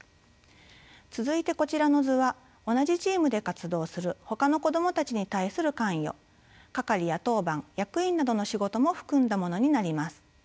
続いてこちらの図は同じチームで活動するほかの子どもたちに対する関与係や当番役員などの仕事も含んだものになります。